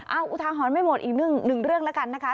เอาอุทาหรณ์ไม่หมดอีกหนึ่งเรื่องแล้วกันนะคะ